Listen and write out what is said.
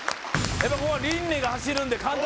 やっぱここは琳寧が走るんで監督